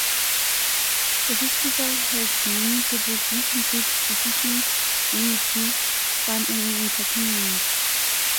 The festival has many purpose which include: for fishing, unity, fun and entertainment.